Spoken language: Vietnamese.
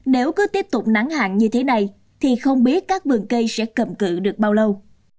nếu cứ tiếp tục nắng hạn như thế này thì không biết các vườn cây sẽ cầm cự được bao lâu